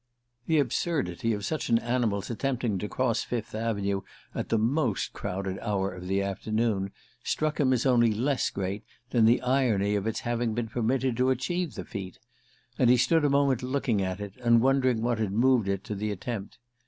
The absurdity of such an animal's attempting to cross Fifth Avenue at the most crowded hour of the afternoon struck him as only less great than the irony of its having been permitted to achieve the feat; and he stood a moment looking at it, and wondering what had moved it to the attempt.